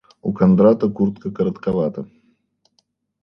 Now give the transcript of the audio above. У Кондрата куртка коротковата.